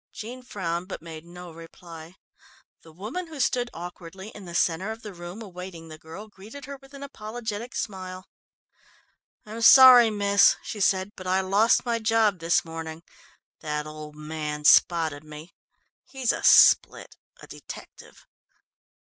Jean frowned but made no reply. The woman who stood awkwardly in the centre of the room awaiting the girl, greeted her with an apologetic smile. "I'm sorry, miss," she said, "but I lost my job this morning. That old man spotted me. He's a split a detective."